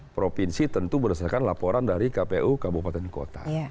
provinsi tentu berdasarkan laporan dari kpu kabupaten kota